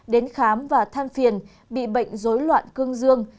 đến khám và than phiền bị bệnh dối loạn cương dương